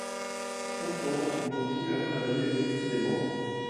Pourtant, il continue à travailler obstinément.